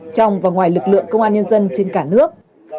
trong và ngoài lực lượng công an nhân dân trên cả nước